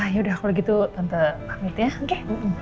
yaudah kalau gitu tante amit ya oke